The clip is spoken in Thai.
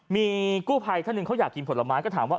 มีกู้ภัยท่านหนึ่งเขาอยากกินผลไม้ก็ถามว่า